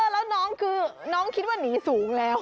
แล้วน้องคือน้องคิดว่าหนีสูงแล้ว